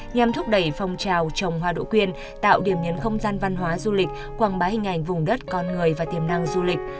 nhằm thúc đẩy phong trào trồng hoa đỗ quyên tạo điểm nhấn không gian văn hóa du lịch quảng bá hình ảnh vùng đất con người và tiềm năng du lịch